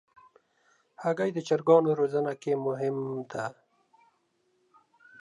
هګۍ د چرګانو روزنه کې مهم ده.